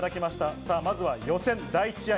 それでは予選第１試合。